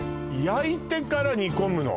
焼いてから煮込むの？